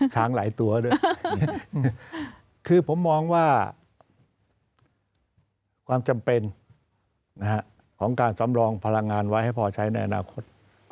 ช้างหลายตัวด้วยคือผมมองว่าความจำเป็นของการสำรองพลังงานไว้ให้พอใช้ในอนาคต